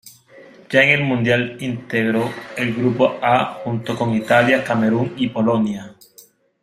Ya en el Mundial integró el grupo A junto con Italia, Camerún y Polonia.